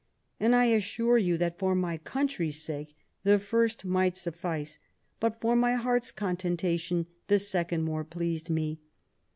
And I assure you that for my country's sake the first might suffice ; but, for my heart's contentation, the second more pleased me.